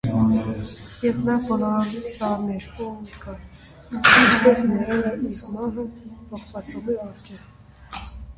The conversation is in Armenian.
Եվ նա բոլորովին սառն էր ու անզգա, ինչպես մեռելը իր մահը ողբացողի առաջ…